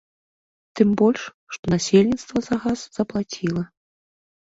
Тым больш, што насельніцтва за газ заплаціла.